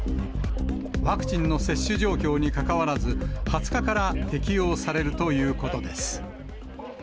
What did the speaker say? ワクチンの接種状況にかかわらず、２０日から適用されるということです。